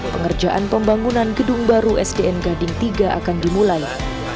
pengerjaan pembangunan gedung baru sdn gading tiga akan dimulai